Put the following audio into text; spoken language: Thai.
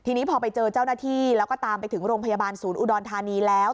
ทีนี้พอไปเจอเจ้าหน้าที่แล้วก็ตามไปถึงโรงพยาบาลศูนย์อุดรธานีแล้ว